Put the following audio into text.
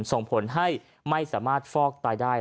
ส่งผลให้ไม่สามารถฟอกตายได้